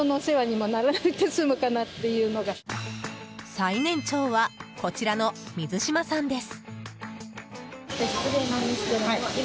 最年長はこちらの水島さんです。